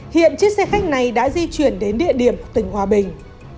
hiện chiếc xe khách này đã di chuyển đến địa điểm tỉnh hòa bình